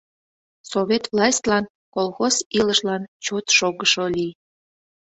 — Совет властьлан, колхоз илышлан чот шогышо лий.